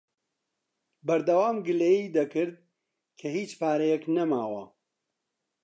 بەردەوام گلەیی دەکرد کە هیچ پارەیەک نەماوە.